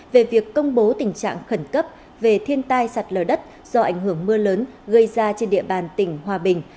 về việc công bố tình trạng khẩn cấp về thiên tai sạt lở đất do ảnh hưởng mưa lớn gây ra trên địa bàn tỉnh hòa bình